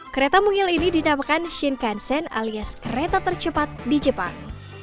kereta mumil ini dinamakan shinkansen alias kereta tercepat di jepang